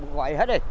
quậy hết đi